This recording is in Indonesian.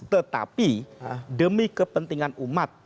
tetapi demi kepentingan umat